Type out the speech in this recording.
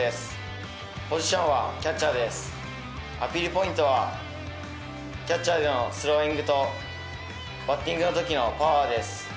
ポイントはキャッチャーでのスローイングとバッティングのときのパワーです。